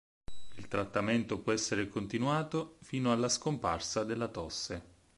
Il trattamento può essere continuato fino alla scomparsa della tosse.